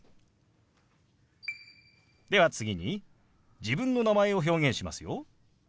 では次に自分の名前を表現しますよ。